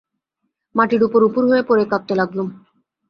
মাটির উপর উপুড় হয়ে পড়ে কাঁদতে লাগলুম।